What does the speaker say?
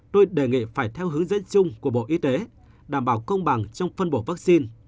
tôi đề nghị phải theo hướng dẫn chung của bộ y tế đảm bảo công bằng trong phân bổ vaccine